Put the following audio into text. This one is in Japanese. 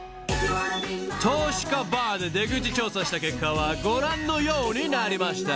［投資家バーで出口調査した結果はご覧のようになりました］